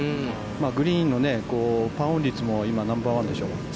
グリーンのパーオン率も今、ナンバーワンでしょう。